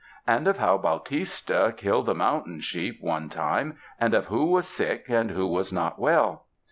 And of how Bautista killed the mountain sheep one time, and of who was got sick and who was got well.